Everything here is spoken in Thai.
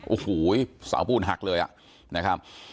โอ้โหเสาปูนหักเลยนะครับ